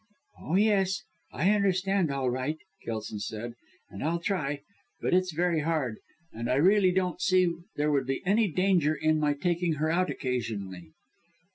"Oh, yes! I understand all right," Kelson said, "and I'll try. But it's very hard and I really don't see there would be any danger in my taking her out occasionally."